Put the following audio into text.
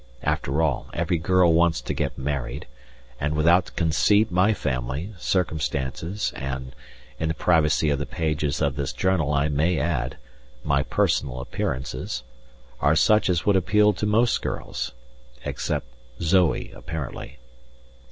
After all, every girl wants to get married, and without conceit my family, circumstances and, in the privacy of the pages of this journal I may add, my personal appearances, are such as would appeal to most girls except Zoe, apparently!